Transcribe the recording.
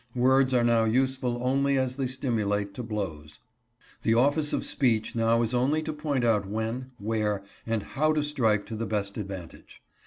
Words are now useful only as they stimulate to blows. The office of speech now is only to point out when, where, and how to strike to the best advantage.